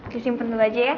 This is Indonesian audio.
disimpen dulu aja ya